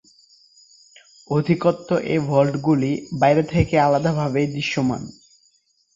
অধিকন্তু এ ভল্টগুলি বাইরে থেকে আলাদাভাবেই দৃশ্যমান।